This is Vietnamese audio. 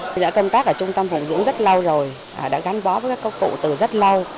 tôi đã công tác ở trung tâm phụ dưỡng rất lâu rồi đã gắn bó với các cụ từ rất lâu